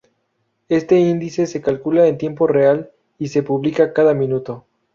Este índice se calcula en tiempo real y se publican cada minuto.